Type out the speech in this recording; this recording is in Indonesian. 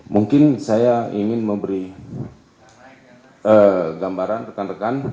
mungkin saya ingin memberi gambaran rekan rekan